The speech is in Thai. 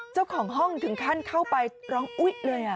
เจ้าของห้องถึงขั้นเข้าไปร้องอุ๊ยเลย